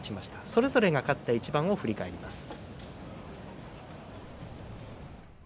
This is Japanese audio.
それぞれが勝った一番を振り返ります。